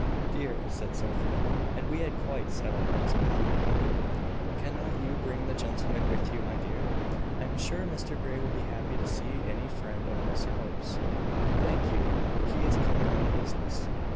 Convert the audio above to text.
"Dear!" said Sophia; "and we had quite set our hearts upon your coming." "Cannot you bring the gentleman with you, my dear? I am sure Mr Grey will be happy to see any friend of Mr Hope's." "Thank you; but he is coming on business."